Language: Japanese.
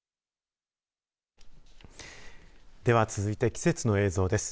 では、続いて、季節の映像です。